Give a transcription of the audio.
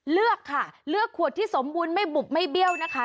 เลือกค่ะเลือกขวดที่สมบูรณ์ไม่บุบไม่เบี้ยวนะคะ